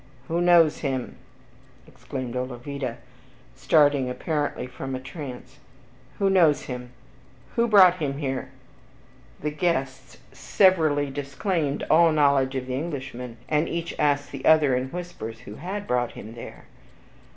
"Who knows him?" exclaimed Olavida, starting apparently from a trance; "who knows him? who brought him here?" The guests severally disclaimed all knowledge of the Englishman, and each asked the other in whispers, "who HAD brought him there?"